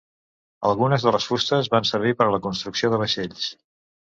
Algunes de les fustes van servir per a la construcció de vaixells.